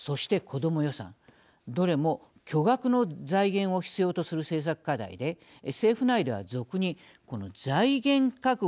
どれも巨額の財源を必要とする政策課題で政府内では俗に財源確保